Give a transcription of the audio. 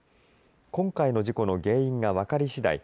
今回の事故の原因が分かりしだい